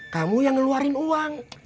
kamu yang ngeluarin uang